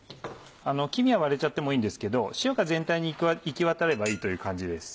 黄身は割れちゃってもいいんですけど塩が全体に行きわたればいいという感じです。